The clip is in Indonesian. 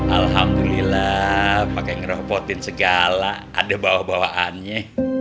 alhamdulillah pakai ngerobotin segala ada bawa bawaannya